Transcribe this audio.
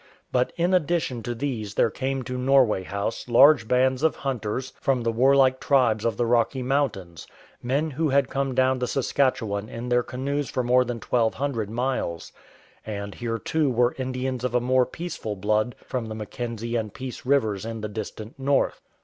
But in addition to these there came to Norway House large bands of hunters from the warlike tribes of the Rocky Mountains, men who had come down the Saskat chewan in their canoes for more than 1200 miles. And here too were Indians of a more peaceful blood from the Mackenzie and Peace Rivers in the distant north.